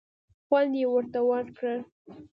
خوند یې ورته ورکړ.